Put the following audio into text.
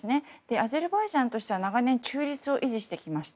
アゼルバイジャンとしては長年、中立を維持してきました。